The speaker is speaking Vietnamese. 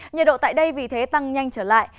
nhiệt độ tại đây vì thế tăng nhanh trở lại